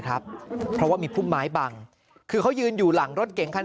ครับเพราะว่ามีพุ่มไม้บังคือเขายืนอยู่หลังรถเก๋งคัน